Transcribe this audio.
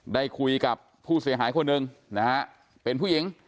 ได้คุยกับผู้เสียหายคนหนึ่งนะฮะเป็นผู้หญิง